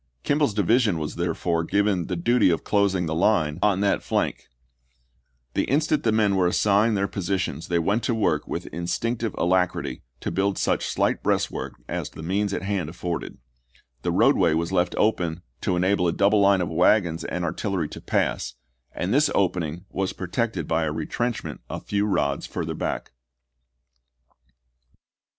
Kimball's division was, there fore, given the duty of closing the line on that GENERAL GEORGE H. THOMAS. FKANKLIN AND NASHVILLE 17 flank. The instant the men were assigned their chap. i. positions they went to work with instinctive alac rity to build such slight breastworks as the means Cox> at hand afforded. The roadway was left open to "Fr|ndlm enable a double line of wagons and artillery to pass, ap. si. e' and this opening was protected by a retrenchment a few rods further back.